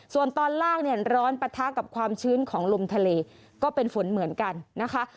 ส่วนตอนล่างเนี่ยร้อนปะทะกับความชื้นของลมทะเลก็เป็นฝนเหมือนกันนะคะ